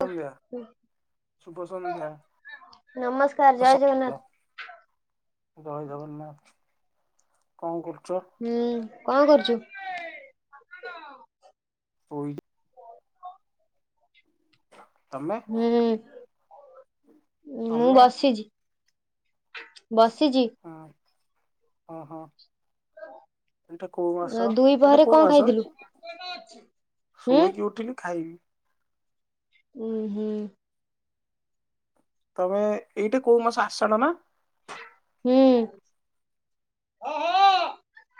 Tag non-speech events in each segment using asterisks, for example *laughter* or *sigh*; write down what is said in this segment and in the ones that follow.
ସନ୍ଧ୍ୟା ଶୁଭ ସନ୍ଧ୍ୟା ନମସ୍କାର ଜୟ ସକାଳ ଜଗନ୍ନାଥ। ଜୟ ଜଗନ୍ନାଥ କଣ କରୁଚ। ହୁଁ କଣ କରୁଚୁ। ପୋଇ ତମେ ମେ ମୁଁ ତମେ ବସିଛି। ବସିଛି। ହଁ ଓହୋ। ଏଇଟା କୋଉ ମାସ। ଦୁଇ ଏଇଟା ପହରେ କଣ କୋଉ ମାସ? ଖାଇଥିଲୁ? ହୁଁ ଶୋଇକି ଉଠିଲି ଖାଇବି। ଉୁଁ ହୁଁ। ତମେ ଏଇଟା କୋଉ ମାସ ଆଷାଢ଼ ନା? ହୁଁ ହଁ ହଁ।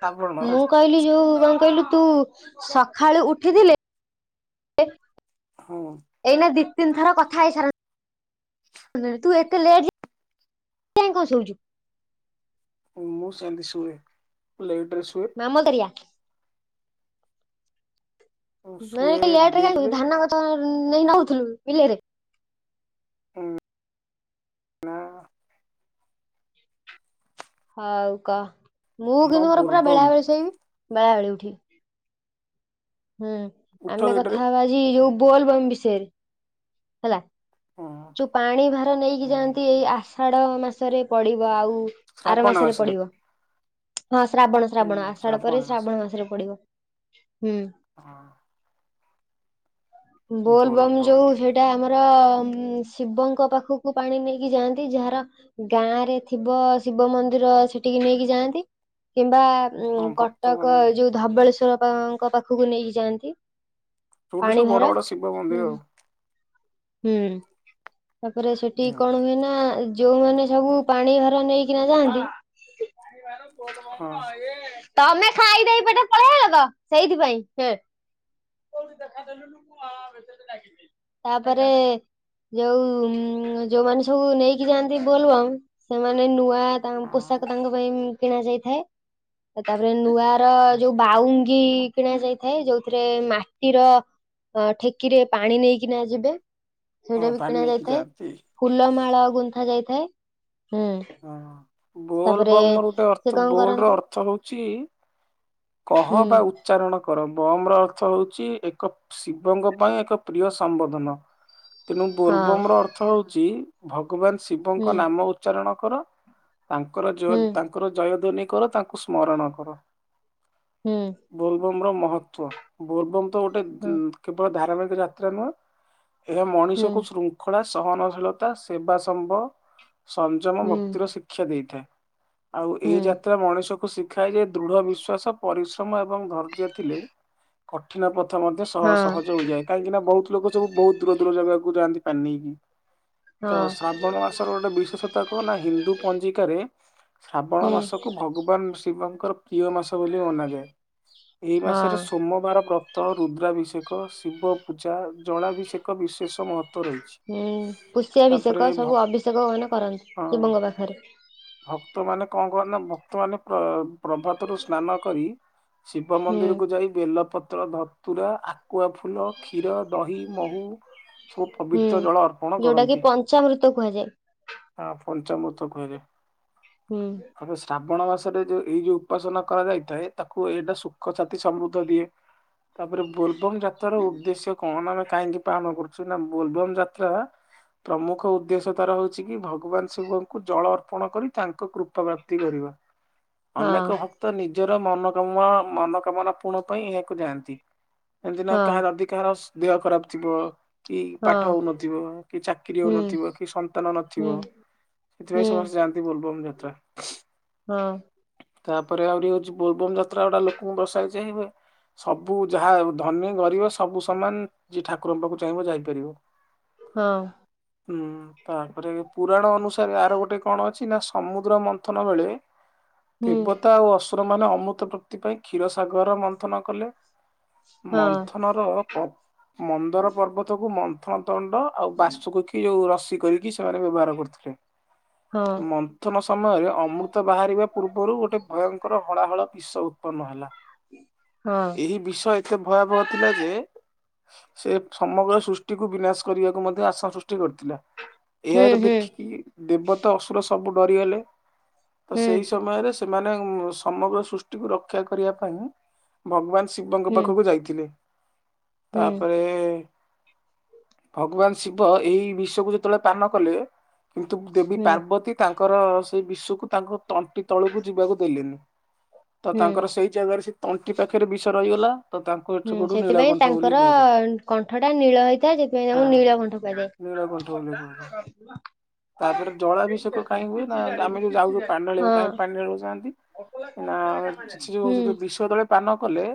ଶ୍ରାବଣ ନା? ମୁଁ କହିଲି ଯୋଉ କଣ କହିଲୁ ତୁ ସକାଳୁ ଉଠିଥିଲେ ଲେ ହଁ। ଏଇନା ଦି ତିିନ୍ ଥର କଥା ହେଇସାର ହୁଅନ୍ତାଣି ଏତେ ଲେଟ୍ ଯାଏ କଣ ଶୋଉଛୁ? ମୁଁ ସେମିତି ଶୁଏ ଲେଟ୍ ରେ ଶୁଏ। ଆମ କାରିଆ। ମୁଁ ନାଇଁ ଶୁଏ ଏତେ ଲେଟ ଡେରିରେ *unintelligible* ଧାନ ଗଛ ନାଇଁ ନଗଉଥିଲୁକି ବିଲରେ। ହୁଁ ନା। ହଉ କହ ମୁଁ ହଁ କିନ୍ତୁ ମୋର ପୁରା ବୋଲବମ୍ ବେଳାବେଳୀ ଶୋଇବି ବେଳାବେଳୀ ଉଠିବି। ହୁଁ ଉଠ ଆମେ କଥା କେଇଟାରେ ହେବା ଆଜି ଯୋଉ ବୋଲ ବମ୍ ବିଷୟରେ ହେଲା। ହଁ ଯୋଉ ପାଣି ଭାର ନେଇକି ହଁ ଯାଆନ୍ତି ଏଇ ଆଷାଢ ମାସରେ ପଡିବ ଆଉ ଆର ମାସରେ ପଡିବ। ହଁ ଶ୍ରାବଣ ହୁଁ ଶ୍ରାବଣ ଆଷାଢ ପରେ ମାସ ଶ୍ରାବଣ ମାସରେ ପଡିବ। ହୁଁ ହଁ ବୋଲବମ୍ ଯୋଉ ହେ ଏଟା ଆମର ଶିବଙ୍କ ପାଖକୁ ପାଣି ନେଇକି ଯାଆନ୍ତି ଯାହାର ଗାଁ ରେ ଥିବ ଶିବ ମନ୍ଦିର ସେଠିକି ନେଇକି ଯାଆନ୍ତି। କିମ୍ବା ଉଁ ହଁ ଭକ୍ତ କଟକ ମାନେ ଏ ଯୋଉ ଧବଳେଶ୍ଵର ଙ୍କ ପାଖକୁ ନେଇକି ଯାଆନ୍ତି। ଯୁଠି ପାଣି ସବୁ ଭାର ବଡ ବଡ ଶିବ ମନ୍ଦିର ହୁଁ ଆଉ। ହୁଁ ତାପରେ ସେଠି କଣ ହୁଏ ନା ଯୋଉମାନେ ସବୁ ପାଣି ଭାର ନେଇକିନା ଯାଆନ୍ତି ହଁ ହଁ ତମେ ଖାଇଦେଇ ଏପଟେ ପଳେଇ ଆଇଲ ତ ସେଇଥିପାଇଁ ତାପରେ ଯୋଉ ଯୋଉମାନେ ସବୁ ନେଇକି ଯାଆନ୍ତି ବୋଲବମ୍ ସେମାନେ ନୂଆ ହଁ ପୋଷାକ ତାଙ୍କ ପାଇଁ କିଣା ଯାଇଥାଏ। ତାପରେ ନୂଆ ର ହଁ ଯୋଉ ବାଉ ଗି କିଣା ଯାଇଥାଏ ଯୋଉଥିରେ ମା ମାଟିର ଠେକିରେ ପାଣି ନେଇକିନା ଯିବେ। ସେଇଟା ହଁ, ବି ପାଣି କିଣା ନେଇକି ଯାଇଥାଏ। ଯାଆନ୍ତି ଫୁଲମାଳ ଗୁନ୍ଥା ଯାଇଥାଏ। ହୁଁ। ହଁ। ବୋଲ ତାପରେ ବାମ୍ ର ଗୋଟେ ସେ ଅର୍ଥ କଣ ବୋଲ ର କରନ୍ତି ଅର୍ଥ ହଉଛି କହ ହୁଁ ବା ଉଚ୍ଚାରଣ କର ବମ୍ ର ଅର୍ଥ ହଉଛି ଏକପ୍ ଶିବଙ୍କ ପାଇଁ ଏକ ପ୍ରିୟ ସମ୍ବୋଧନ। ତେଣୁ ହଁ ବୋଲବମ୍ ର ଅର୍ଥ ହେଉଛି ଭଗବାନ ହୁଁ ଶିବଙ୍କ ନାମ ଉଚ୍ଚାରଣ କର ତାଙ୍କର ଜ ହୁଁ ତାଙ୍କର ଜୟଧ୍ଵନୀ କର ତାଙ୍କୁ ସ୍ମରଣ କର। ହୁଁ। ବୋଲବମ୍ ର ମହତ୍ତ୍ଵ ବୋଲବମ୍ ତ ଗୋଟେ ହଁ କେବଳ ଧାରାବାହିକ ଯାତ୍ରା ନୁହେଁ। ଏହା ହୁଁ ମଣିଷକୁ ଶୃଙ୍ଖଳା ସହନଶୀଳତା ସେବା ସମ୍ଭ ସଂଯମ ହୁଁ ଭକ୍ତିର ଶିକ୍ଷା ଦେଇଥାଏ। ଆଉ ହୁଁ ଏଇ ଯାତ୍ରା ମଣିଷକୁ ଶି ଶିଖାଏ ଯେ ଦୃଢ ବିଶ୍ଵାସ, ପରିଶ୍ରମ ଏବଂ ଧୈର୍ଯ୍ୟ ଥିଲେ କଠିନ ପଥ ମଧ୍ୟ ସହ ହଁ ସହଜ ହୋଇଯାଏ। କାହିଁକି ନା ବହୁତ ଲୋକ ସବୁ ବହୁତ ଦୂର ଦୂର ଜାଗାକୁ ଯାଆନ୍ତି ପାଣି ନେଇକି। ତ ହଁ ଶ୍ରାବଣ ମାସର ଗୋଟେ ବିଶେଷତ କ ନା ହିନ୍ଦୁ ପଞ୍ଜିକାରେ ଶ୍ରାବଣ ହୁଁ ମାସକୁ ଭଗ ଭଗବାନ ଶିବଙ୍କର ପ୍ରିୟ ମାସ ବୋଲି ମନାଯାଏ। ଏହି ମାସରେ ହଁ ସୋମବାର ଵ୍ର ତ ରୁଦ୍ରାଭିଷେକ, ଶିବ ପୂଜା, ଜଳାଭିଷେକ ବିଶେଷ ମହତ୍ଵ ରହିଛି। ହୁଁ ତାପରେ ପୋଷିଆଭିଷେକ ଭ ସବୁ ଅଭିଷେକ ମାନେ କରନ୍ତି ଶିବଙ୍କ ପାଖରେ। ଭକ୍ତ ମାନେ କଣ କନ୍ତି ନା ଭକ୍ତ ମାନେ ପ୍ର ପ୍ରଭୁ ସ୍ନାନ କରି ଶିବ ହୁଁ ମନ୍ଦିରକୁୁ ଯାଇ ବେଲପତ୍ର ଧତୁରା ଆକୁଆ ଫୁଲ କ୍ଷୀର ଦହି ମହୁ ସବୁ ପବିତ୍ର ଜଳ ଅର୍ପଣ କରନ୍ତି। ମୁହୃତ କୁହାଯାଏ। ହଁ ପଞ୍ଚାମୃତ କୁହାଯାଏ। ହୁଁ। ଏବେ ଶ୍ରାବଣ ମାସରେ ଯୋଉ ଏଇ ଯୋଉ ଉପାସନା କରାଯାଇଥାଏ ତାକୁ ଏଇଟା ସୁଖ ସାତି ସମୃଦ୍ଧ ଦିଏ ତାପରେ ବୋଲ୍ ବମ ଯାତ୍ରାର ଉଦ୍ଦେଶ୍ୟ କଣ ଆମେ କାହିଁକି ପାଳନ କରୁଛୁ ନା ବୋଲବମ ଯାତ୍ରା ପ୍ରମୁଖ ଉଦ୍ଦେଶ୍ୟ ତାର ହଉଛି କି ଭଗବାନ ଶିବଙ୍କୁ ଜଳ ଅର୍ପଣ କରି ତାଙ୍କ କୃପା ପ୍ରାପ୍ତି କରିବା। *unintelligible* ହଁ ଅନେକ ଭକ୍ତ ନିଜର ମନା କମ୍ ମନକାମନା ପୂଣ ପାଇଁ ଏହାକୁ ଯାଆନ୍ତି। ଏମିତି ନା ହଁ କାହାର ଯଦି କାହାର ଦେହ ଖରାପ। ଥିବ କି ପାଠ ହଁ ହଉନଥିବ କି ଚାକିରି ହୁଁ ହଉନଥିବ କି ସନ୍ତାନ ହୁଁ ନଥିବ। ହୁଁ ସେଥିପାଇଁ ସମସ୍ତେ ଯାଆନ୍ତି ବୋଲବ ଯାତ୍ରା। ହଁ। ତାପରେ ଆହୁରି ହଉଛି ବୋଲବୋମ ଯାତ୍ରା ଗୁଡା ଲୋକଙ୍କୁ ବସାଇ ଚହିବେ। ସବୁ ଯାହା ଧନୀ ଗରିବ ସବୁ ସମାନ। ଯିଏ ଠାକୁରଙ୍କ ପାଖକୁ ଚାହିଁବ ଯାଇପାରିବ। ହଁ। ହୁଁ। ତାପରେ ପୁରାଣ ଅନୁସାରେ ଆର ଗୋଟେ କଣ ଅଛି ନା ସମୁଦ୍ର ମନ୍ଥନ ବେଳେ ହୁଁ ଦେବତା ଓ ଅସୁର ମାନେ ଅମୃତ ପ୍ରାପ୍ତି ପାଇଁ କ୍ଷୀର ସାଗର ମନ୍ଥନ କଲେ। ହଁ ମନ୍ଥନ ର ଅଳପ ମନ୍ଦର ପର୍ବତକୁୁ ମନ୍ଥନ ତଣ୍ଡ ଆଉ ବାସକୁଖି ଯୋଉ ରସି କରିକି ସେମାନେ ବ୍ୟବହାର କରୁଥିଲେ। ହଁ ମନ୍ଥନ ସମୟରେ ଅମୃତ ବାହାରିବା ପୂର୍ବରୁ ଗୋଟେ ଭୟଙ୍କର ହଳାହଳ ବିଷ ଉତ୍ପନ୍ନ ହେଲା। ହଁ ଏହି ବିଷ ଏତେ ଭୟାବହ ଥିଲା ଯେ ସେ ସମଗ୍ର ସୃଷ୍ଟିକୁ ବିନାଶ କରିବାକୁ ମଧ୍ୟ ଆଶା ସୃଷ୍ଟି କରିଥିଲା। ହୁଁ ଏହାକୁ ହୁଁ ଦେଖିକି ଦେବତା ଅସୁର ସବୁ ଡରିଗଲେ ତ ସେଇ ସମୟରେ ସେ ମାନେ ସମଗ୍ର ସୃଷ୍ଟିକୁୁ ରକ୍ଷା କରିବା ପାଇଁ ଭଗବାନ ଶିବଙ୍କ ହୁଁ ପାଖକୁ ଯାଇଥିଲେ। ହୁଁ ତାପରେ ଭଗବାନ ଶିବ ଏଇ ବିଷ କୁ ଯେତେବେଳେ ପାନ କଲେ କିନ୍ତୁ ଦେବୀ ହୁଁ ହୁଁ ପାର୍ବତୀ ତାଙ୍କର ସେଇ ବିଷକୁ ତାଙ୍କ ତଣ୍ଟି ତଳକୁ ଯିବାକୁ ଦେଲିନି। ତ ହୁଁ ତାଙ୍କର ସେଇ ଜାଗାରେ ସେ ତଣ୍ଟି ପାଖରେ ବିଷ ରହିଗଲା। ତ ତାଙ୍କୁ ହୁଁ ସେପଟୁ ସେଥିପାଇଁ ନୀଳକଣ୍ଠ ବୋଲି ତାଙ୍କର କୁହାଯାଏ। କଣ୍ଠ ଟା ନୀଳ ହେଇଥାଏ ସେଥିପାଇଁ ହଁ ତାଙ୍କୁ ନୀଳ କଣ୍ଠ କୁହାଯାଏ। ନୀଳକଣ୍ଠ ବୋଲି କୁହାଯାଏ। ତାପରେ ଜଳାଭିଷେକ କାହିଁ ହୁଏ ନା ଆମେ ଯୋଉ ଯାଉଛୁ ପାଣିଢାଳିବାକୁ ହଁ କାଇଁ ପାଣିଢାଳିବାକୁ ଥାନ୍ତି ନା ସେ ଯଉ ହୁଁ କହୁଚନ୍ତି ବିଷ ବିଷ ଜେତଳେ ପାନ କଲେ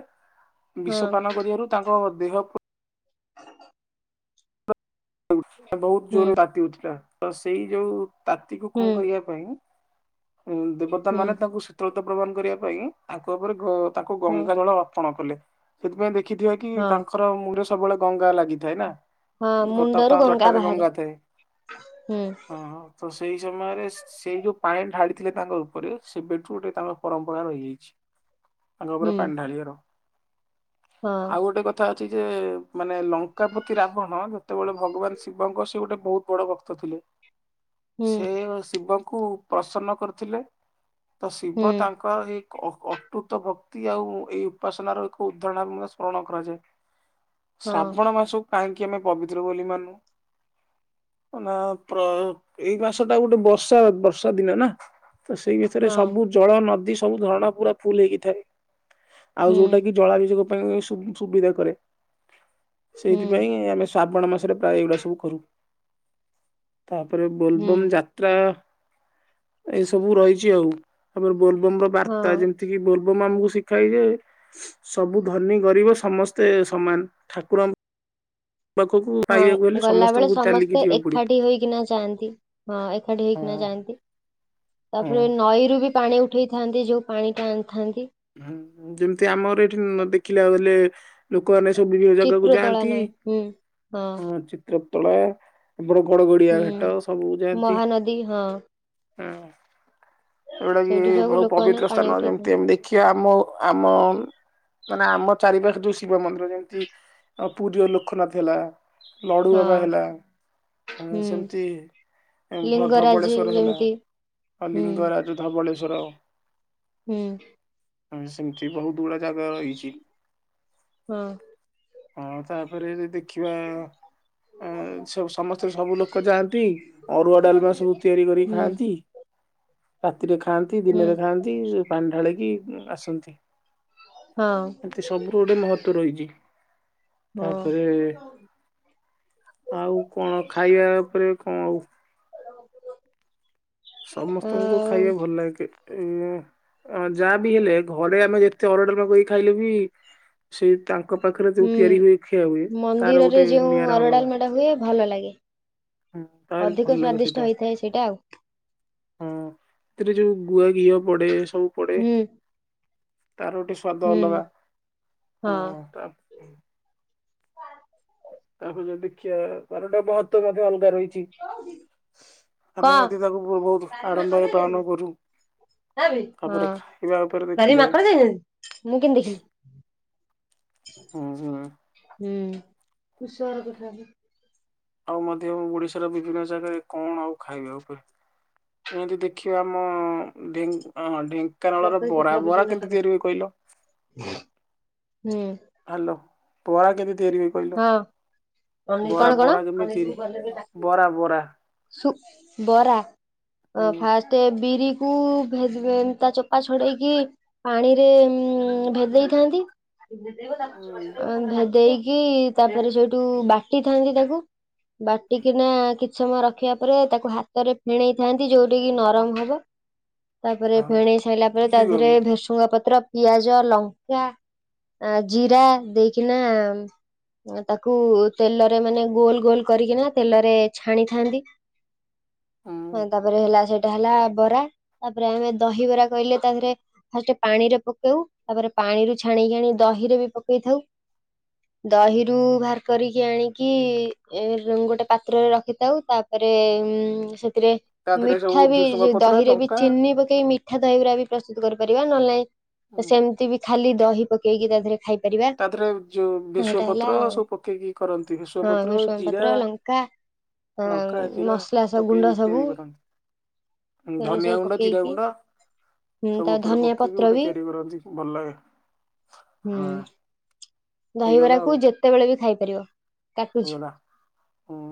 ହଁ ବିଷ ପାନ କରିବାରୁ ତାଙ୍କ ଦେହକୁ ବହୁତ ହୁଁ ଜୋରରେ ତାତି ଉଠିଲା ତ ସେଇ ଯୋଉ ତାତିକୁ ହୁଁ କଣ କରିବା ପାଇଁ ଉଁ ଦେବତା ହୁଁ ମାନେ ତାଙ୍କୁ ଶୀତଳତା ପ୍ରଦାନ କରିବା ପାଇଁ ତାଙ୍କ ଉପରେ ଘ ତାଙ୍କୁ ହଁ ଗଙ୍ଗା ଜଳ ଅର୍ପଣ କଲେ। ସେଥିପାଇଁ ଦେଖିଥିବ କି ହଁ ତାଙ୍କ ତାଙ୍କର ମୁଣ୍ଡରେ ସବୁବେଳେ ଗଙ୍ଗା ଲାଗିଥାଏ ନା। ହଁ ଗ ତା ମୁଣ୍ଡରୁ ତା ଜଟାରେ ବାହାରେ ଗଙ୍ଗା ଥାଏ। ହୁଁ ହଁ ତ ସେଇ ସମୟରେ ସେଇ ଯୋଉ ପାଣି ଢାଡିଥିଲେ ତାଙ୍କ ଉପରେ ସେ ସେବେଠୁ ତାଙ୍କର ପରମ୍ପରା ରହିଯାଇଛି। ତାଙ୍କ ଉପରେ ହୁଁ ପାଣି ଢାଳିବାର। ହଁ ଆଉ ଗୋଟେ କଥା କଥା ଅଛି ଯେ ମାନେ ଲଙ୍କା ପ୍ରତି ରାବଣ ଯେତେବେଳେ ଭଗବାନ ଶିବ ଶିବଙ୍କର ସେ ଗୋଟେ ବହୁତ ବଡ ଭକ୍ତ ଥିଲେ। ହୁଁ ସେ ଶିବଙ୍କୁ ପ୍ରସନ୍ନ କରୁଥିଲେ। ତ ହୁଁ ଶିବ ତାଙ୍କର ହେଇ ଅ ଅ ଅଟୁତ ଭକ୍ତି ଆଉ ଏଇ ଉପାସନାର ଏକ ଉଦାହରଣ ମଧ୍ୟ ସ୍ମରଣ କରାଯାଏ। ହଁ ଶ୍ରାବଣ ମାସକୁ କାହିଁକି ଆମେ ପବିତ୍ର ବୋଲି ମାନୁ? ଅ ନା ପ୍ର ଏଇ ମାସ ଟା ଗୋଟେ ବର୍ଷା ବର୍ଷା ଦିନେ ନା। ତ ସେଇ ଭିତରେ ହଁ ସବୁ ଜଳ ନଦୀ ସବୁ ଝରଣା ପୁରା ଫୁଲ ହେଇକିଥାଏ। ଆଉ ହୁଁ ଯୋଉଟା କି ଜଳାଭିସେକ ପାଇଁ ଶୁ ସୁବିଧା କରେ। ହୁଁ ସେଇଥିପାଇଁ ଆମେ ଶ୍ରାବଣ ମାସରେ ପ୍ରାୟ ଏଗୁଡା ସବୁ କରୁ। ତାପରେ ହୁଁ ବୋଲବମ୍ ଯା ପପ୍ରାୟ ଏଇ ସବୁ ରହିଛି ଆଉ। ଆମର ବୋଲବମ ର ବାର୍ତ୍ତା ହଁ ଯେମ୍ ତିକି ବୋଲବମ୍ ଆମକୁ ଶିଖାଇବେ। ସବୁ ଧନୀ ଗରିବ ସମସ୍ତେ ସମାନ ଠାକୁର ଆମ୍ ହଁ, ଗଲାବେେଳେ ସମସ୍ତଙ୍କୁ ଚାଲିକି ସମସ୍ତେ ଯିବାକୁ ପଡିବ। ଏକାଠି ହୋଇକିନା ଯାଆନ୍ତି। ହଁ ଏକାଠି ହେଇକିନା ଯାଆନ୍ତି। ହଁ ତାପରେ ନଈରୁ ବି ପାଣି ଉଠ ଉଠେଇଥାନ୍ତି ଯୋଉ ପାଣିଟା ଆଣିଥାନ୍ତି। ହୁଁ ଯେମିତି ଆମର ଏଇଠି ଦେଖିଲାବୋଲେ। ଲୋକମାନେ ସବୁ ବିଭିନ୍ନ ଜାଗାକୁ ଚିତ୍ରତୋଳା ଯାଆନ୍ତି ନଈ ହୁଁ ହଁ। ଚିତ୍ରୋତ୍ପଳା ର ଗଡଗଡିଆ ହୁଁ ଘାଟ ସବୁ ଯାଆନ୍ତି ମହାନଦୀ ହଁ ହଁ। ଯଉଟା କି ସେଇଠି ସବୁ ବହୁ ଲୋକମାନେ ପବିତ୍ର ପାଣି ସ୍ଥାନ ଯେମିତି ଉଠେଇଥାନ୍ତି ଆମେ ଦେଖିବା ଆମ- ଆମ ମାନେ ଆମ ଚାରିପାଖେ ଯୋଉ ଶିବ ମନ୍ଦିର ଯେମିତି ପୁରୀର ଲୋକନାଥ ହେଲା। ଲଡୁ ବାବା ହଁ ହେଲା। ଆ ହୁଁ ସେମିତି ଲିଙ୍ଗରାଜି ଧବଳେଶ୍ଵର ହେଲା, ଯେମିତି ଅ ହୁଁ ଲିଙ୍ଗରାଜ ଯଉ ଧବଳେଶ୍ଵର ହୁଁ ଆ ସେମିତି ବହୁତ। ପୁଳା ଜାଗା ରହିଛି ହଁ ହଁ ତାପରେ ଯଦି କ କିିବା ଆ ଅ ସମସ୍ତେ ସବୁ ଲୋକ ଯାଆନ୍ତି। ଅରୁଆ ଡାଲମା ସବୁ ତିଆରି କରିକି ହୁଁ ଖାଆନ୍ତି। ରାତିରେ ଖାଆନ୍ତି, ହୁଁ ଦିନରେ ଖାଆନ୍ତି, ପାଣି ଢାଳିକି ଆସନ୍ତି। ହଁ ଏମତି ସବୁର ଗୋଟେ ମହତ୍ଵ ରହିଛି ତାପରେ ହଁ ଆଉ କଣ ଖାଇବା ଉପରେ କଣ ଆଉ? ଅ ସମସ୍ତଙ୍କୁ ଖାଇବା ଭଲ ଲାଗେେ ଉ ଯା ବିି ହେଲେ ଘ ଘରେ ଆମେ ଯେତେ ଅର୍ଡର ନକରିକି ଖାଇଲେ ବି, ସେ ତାଙ୍କ ତାଙ୍କ ପାଖରେ ଯୋଉ ହୁଁ ତିଆରି ହୁଏ ଖିଆ ହୁଏ ତାର ମନ୍ଦିରରେ ଗୋଟେ ଯେଉଁ ନିଆରା ଅରୁଆ ଅଲଗା। ଡାଲମାଟା ହୁଏ ଭଲ ଲାଗେ। ହୁଁ ତାର ଭଲ ଅଧିକ ଲାଗେ ସେଇଟା ସ୍ଵାଦିଷ୍ଟ ହେଇଥାଏ ସେଇଟା ଆଉ। ହଁ, ସେଥିରେ ଯୋଉ ଗୁଆ ଘିଅ ପଡେ ସବୁ ପଡେ। ହୁଁ ତାର ଗଟେ ସ୍ଵାଦ ହୁଁ ଅଲଗା ହଁ ତା ଆ ଯଦି ଦେଖିିବା। ତାରଗୋଟେ ମହତ୍ତ୍ଵ ମଧ୍ୟ ଅଲଗା ରହିଛି। କଁ ଆମେ ମଧ୍ୟ ତାକୁ ବହୁତ ଆଡ଼ମ୍ବରରେ ପାଳନ କରୁ। ହଁ ତାପରେ ଖାଇବା ଉପରେ ବାରିରେ ଦେଖିଲେ ମାଙ୍କଡ ଯାଇନାହାନ୍ତି। ମୁଁ କେମିତି ଦେଖିଲି? ହଁ -ହଁ। ହୁଁ, ପୁଷର କଥା ହବ। ଆଉ ମଧ୍ୟ ଓଡିଶାର ବିଭିନ୍ନ ଜାଗାରେ କଣ ଆଉ ଖାଇବା ଉପରେ? ଏମତି ଦେଖିବା ଆମ ଢେଙ୍କ ଢେଙ୍କାନାଳର ବରା ବରା କେମିତି ତିଆରି ହୁଏ କହିଲ। ହୁଁ। ହାଲୋ। ବରା କେମିତି ତିଆରି ହୁଏ? କହିଲ? ହଁ ବରା କଣ କଣ? ବରା କେମିତି ତିଆରି ବରା ବରା ସୁ ବରା ହୁଁ ଫାଷ୍ଟ ବିରି କୁ ତା ଚୋପା ଛଡେଇକି ପାଣିରେ ଭେଦେଇ ଥାଆନ୍ତି। ହୁଁ ଭେଦେଇକି କି ତାପରେ ସେଇଠୁ ବାଟି ଥାନ୍ତି ତାକୁ। ବାଟିକିନା କି ସମୟ ରଖିବା ପରେ ତାକୁ ହାତରେ ଫେଣେଇଥାନ୍ତି ଯୋଉଟାକିି ନରମ ହବ। ହଁ ତାପରେଫେଣେଇ ସାଇଲା ପରେ ତା ଦେହରେ ଫୁଲିକୋବି ଭେରସୁ ଭେରସୁଂଗା ପତ୍ର ପତ୍ର, ପିଆଜ, ଲଙ୍କା, ଜିରା ଦେଇକିନା- ତାକୁ ତେଲରେ ମାନେ ଗୋଲ ଗୋଲ କରିକିନା ତେଲରେ ଛାଣିଥାନ୍ତି। ହଁ ହୁଁ ତାପରେ ହେଲା ସେଠି ଟା ହେଲା ବରା ତାପରେ ଆମେ ଦହି ବରା କହିଲେ ତାଦିହରେ ଫାଷ୍ଟରେ ପାଣି ରେ ପକେଉ ତାପରେ ପାଣିରୁ ଛାଣିକି ଆଣି ଦହିରେ ବି ପକେଇଥାଉ। ଦହିରୁ ବାହାର କରିକି ଆଣିକି ଏ ଗୋଟେ ପାତ୍ରରେ ରଖିଥାଉ। ତା ପରେ ଉ ସେଥିରେ ତା ଦେହରେ ସବୁ ମିଠା ବି ଭେସୁଙ୍ଗା ଯୋ ପତ୍ର ଦହିରେ ବି ଲଙ୍କା ଚିନି ପକେଇ ମି ମିିଠା ଦହି ବରା ବି ପ୍ରସ୍ତୁତ କରିପାରିବା ନହଲେ ନାଇଁ ହୁଁ ସେମିତି ବି ଖାଲି ଦହି ପକେଇକି ତା ଦେହରେ ଖାଇ ପାରିବା। ତାଥିରେ ଯୋଉ ଭେଶୁଆଁ ପତ୍ର ସବୁ ପକେଇକି କରନ୍ତି। ଭେଶୁଆଁ ହଁ ପତ୍ର, ଭେସୁଙ୍ଗା ଜିରା ପତ୍ର ଲଙ୍କା ଅ ଲଙ୍କା, ଜିିରା ମସଲା ସବୁ ପକେଇକି ଗୁଣ୍ଡ ସବୁ ତିଆରି କରନ୍ତି। ଉଁ ସେଗୁରା ଧନିଆ ସବୁ ଗୁଣ୍ଡା, ଜିରା ପକେଇକି ଗୁଣ୍ଡ ହୁଁ ତା ସବୁ ଉପରେ ଧନିଆ ପକେଇକି ପତ୍ର ଗୋଟେ ବି ତିଆରି କରନ୍ତି। ଭଲ ଲାଗେ। ହୁଁ ହାଁ। ଦହିବରାକୁ ଯେତେବେଳେ ବି ଖାଇପାରିବ। କାଟୁଛି। ହେଇଗଲା ହୁଁ।